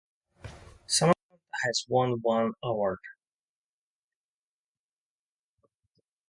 Samantha has won one award.